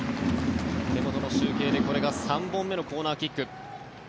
手元の集計でこれが３本目のコーナーキック。